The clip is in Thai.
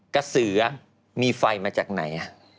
กระสือมีไฟมาจากไหน